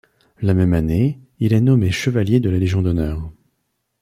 La même année, il est nommé chevalier de la Légion d'honneur.